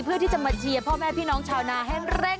เพื่อที่จะมาเชียบพ่อแม่พี่น้องชาวนาให้เร่งไถว่านก็หน่อย